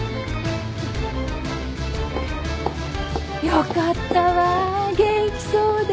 よかったわ元気そうで。